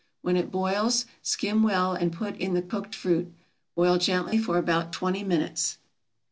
When it boils skim well and put in the cooked fruit. Boil gently for about twenty minutes.